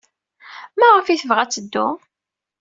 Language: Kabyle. Maɣef ay tebɣa ad teddu?